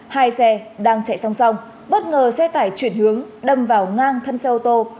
hai xe đang chạy song song bất ngờ xe tải chuyển hướng đâm vào ngang thân xe ô tô